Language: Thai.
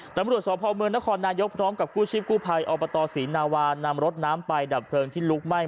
ตำรวจสพเมืองนครนายกพร้อมกับกู้ชีพกู้ภัยอบตศรีนาวานำรถน้ำไปดับเพลิงที่ลุกไหม้